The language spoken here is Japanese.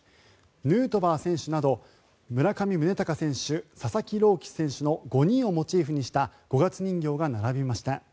ヌートバー選手など村上宗隆選手、佐々木朗希選手の５人をモチーフにした五月人形が並びました。